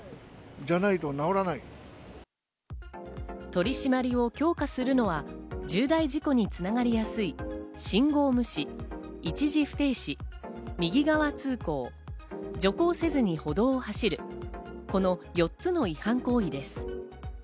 取り締まりを強化するのは重大事故につながりやすい信号無視、一時不停止、右側通行、徐行せずに歩道を走る、この４つの違反行為です。